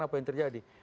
apa yang terjadi